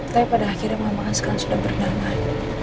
tapi pada akhirnya memang sekarang sudah berdamai